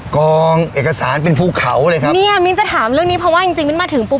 กองเอกสารเป็นภูเขาเลยครับเนี่ยมิ้นจะถามเรื่องนี้เพราะว่าจริงจริงมิ้นมาถึงปุ๊